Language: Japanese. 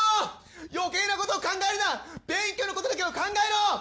余計なことを考えるな勉強のことだけを考えろ！